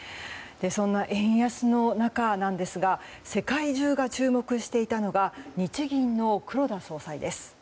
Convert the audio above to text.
そんな円安の中なんですが世界中が注目していたのが日銀の黒田総裁です。